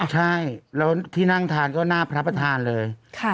ใช่แล้วที่นั่งทานก็หน้าพระประธานเลย